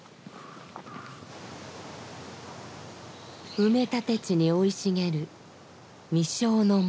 埋め立て地に生い茂る「実生の森」。